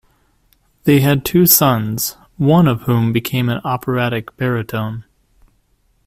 They had two sons, one of whom became an operatic baritone.